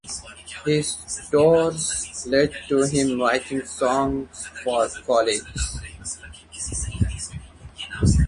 His tours led to him writing songs for colleges.